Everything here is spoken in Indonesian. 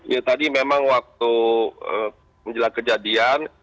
ya tadi memang waktu menjelang kejadian